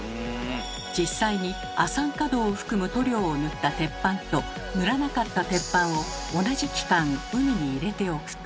実際に酸化銅を含む塗料を塗った鉄板と塗らなかった鉄板を同じ期間海に入れておくと。